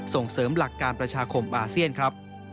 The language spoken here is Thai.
ส่งเสริมหลักการประชาคมอาเซียนครับ